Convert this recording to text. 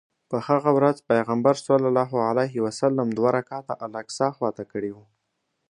په هغه ورځ پیغمبر صلی الله علیه وسلم دوه رکعته الاقصی خواته کړی و.